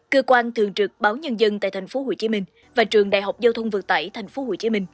cơ quan thường trực báo nhân dân tại tp hcm và trường đại học giao thông vận tải tp hcm